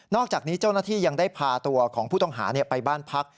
อกจากนี้เจ้าหน้าที่ยังได้พาตัวของผู้ต้องหาไปบ้านพัก